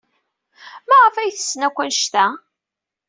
Maɣef ay ttessen akk anect-a?